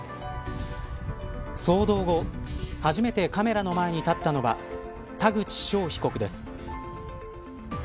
騒動後初めてカメラの前に立ったのは田口翔被告です。